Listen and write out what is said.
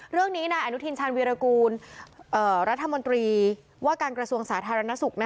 เรื่องนี้นายอนุทินชาญวีรกูลรัฐมนตรีว่าการกระทรวงสาธารณสุข